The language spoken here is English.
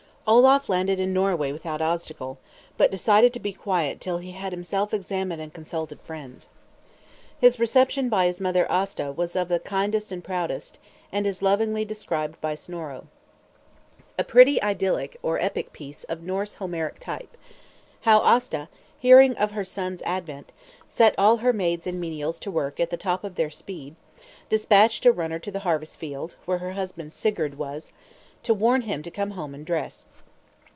Olaf landed in Norway without obstacle; but decided to be quiet till he had himself examined and consulted friends. His reception by his mother Aasta was of the kindest and proudest, and is lovingly described by Snorro. A pretty idyllic, or epic piece, of Norse Homeric type: How Aasta, hearing of her son's advent, set all her maids and menials to work at the top of their speed; despatched a runner to the harvest field, where her husband Sigurd was, to warn him to come home and dress.